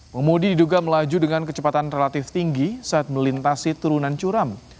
pengemudi diduga melaju dengan kecepatan relatif tinggi saat melintasi turunan curam